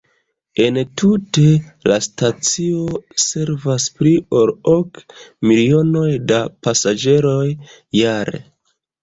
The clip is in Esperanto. Entute, la stacio servas pli ol ok milionoj da pasaĝeroj jare.